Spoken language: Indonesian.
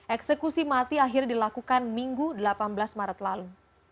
eksekusi mati akhirnya dilakukan minggu delapan belas maret lalu